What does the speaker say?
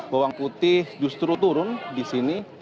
bawang putih justru turun di sini